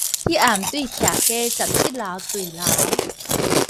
彼暗對徛家十七樓墜樓